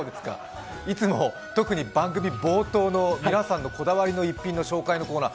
いつも特に番組冒頭の皆さんのこだわりの逸品のコーナー